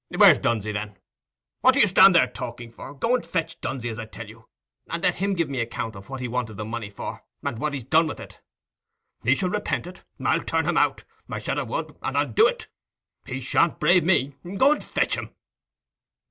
"Where's Dunsey, then? What do you stand talking there for? Go and fetch Dunsey, as I tell you, and let him give account of what he wanted the money for, and what he's done with it. He shall repent it. I'll turn him out. I said I would, and I'll do it. He shan't brave me. Go and fetch him."